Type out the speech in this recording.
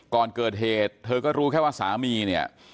ก่อนเกิดเหตุเธอก็รู้แค่ว่าสามีเนี่ย